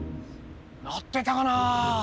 なってたかな？